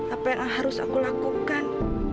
apa yang harus aku lakukan